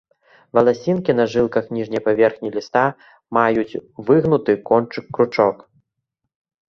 Валасінкі на жылках ніжняй паверхні ліста маюць выгнуты кончык-кручок.